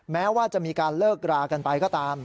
แม้ว่าจะมีการเลิกรากันไปก็ตาม